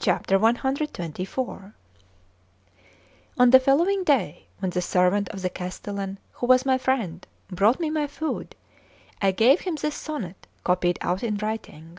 CXXIV ON the following day, when the servant of the castellan who was my friend brought me my food, I gave him this sonnet copied out in writing.